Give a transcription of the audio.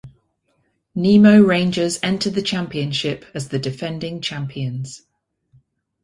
Nemo Rangers entered the championship as the defending champions.